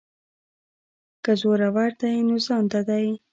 که زورور دی نو ځانته دی.